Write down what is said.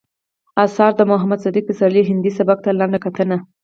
اثار، د محمد صديق پسرلي هندي سبک ته لنډه کتنه